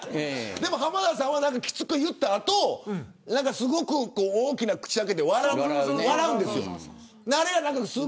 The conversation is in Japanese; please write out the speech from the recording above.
浜田さんは、きつく言った後すごく大きな口を開けて笑うんです。